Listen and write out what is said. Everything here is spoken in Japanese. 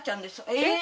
えっ！？